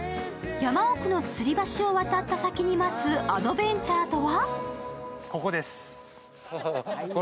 山奥のつり橋を渡った先に待つアドベンチャーとは？